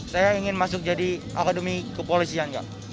saya ingin masuk jadi akademi kepolisian